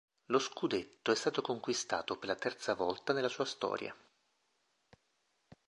Lo scudetto è stato conquistato per la terza volta nella sua storia.